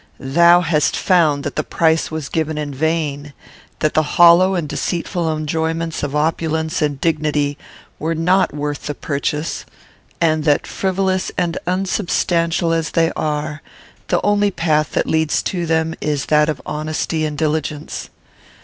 Thou hast found that the price was given in vain; that the hollow and deceitful enjoyments of opulence and dignity were not worth the purchase; and that, frivolous and unsubstantial as they are, the only path that leads to them is that of honesty and diligence.